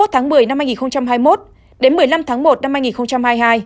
hai mươi tháng một mươi năm hai nghìn hai mươi một đến một mươi năm tháng một năm hai nghìn hai mươi hai